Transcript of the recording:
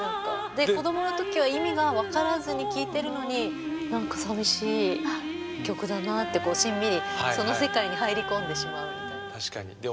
で子どものときは意味が分からずに聴いてるのになんか寂しい曲だなってこうしんみりその世界に入り込んでしまうみたいな。